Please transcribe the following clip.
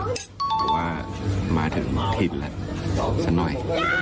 แต่ว่ามาถึงมุมถิดละสักหน่อย